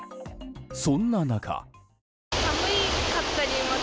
そんな中。